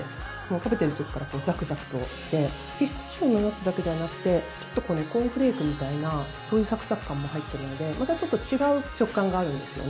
食べている時からザクザクとしてピスタチオのナッツだけではなくてちょっとコーンフレークみたいなそういうサクサク感も入っているのでまたちょっと違う食感があるんですよね。